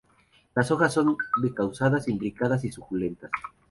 Las hojas son decusadas, imbricadas y suculentas.